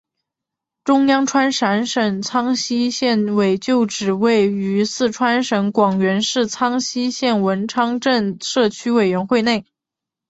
中共川陕省苍溪县委旧址位于四川省广元市苍溪县文昌镇社区居委会内。